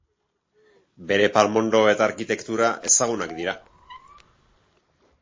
Bere palmondo eta arkitektura ezagunak dira.